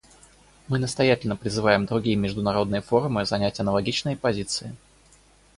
Мы настоятельно призываем другие международные форумы занять аналогичные позиции.